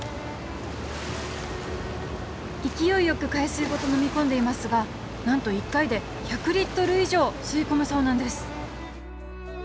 勢いよく海水ごと飲み込んでいますが何と１回で１００リットル以上吸い込むそうなんです。